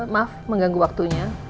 maaf mengganggu waktunya